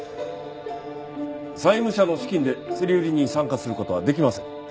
債務者の資金で競り売りに参加する事はできません。